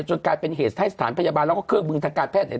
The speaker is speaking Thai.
จนกลายเป็นเหตุที่ให้สถานพยาบาลและเครื่องบึงทางการแพทย์